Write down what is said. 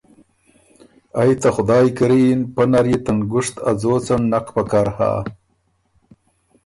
ائ ته خدایٛ کري یِن، پۀ نر يې ته نګُشت ا ځوڅن نک پکر هۀ۔